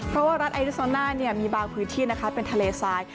เพราะว่ารัฐไอริโซน่ามีบางพื้นที่นะคะเป็นทะเลทราย